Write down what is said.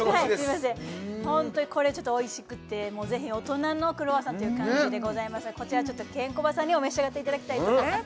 ホントにこれおいしくて大人のクロワッサンという感じでございますがこちらケンコバさんにも召し上がっていただきたいと思います